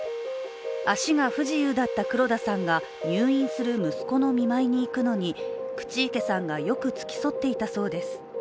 足が不自由だった黒田さんが入院する息子の見舞いに行くのに口池さんがよく付き添っていたそうです。